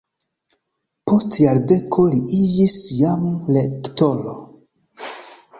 Post jardeko li iĝis jam rektoro.